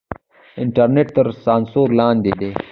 انټرنېټ تر سانسور لاندې دی.